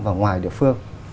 và ngoài địa phương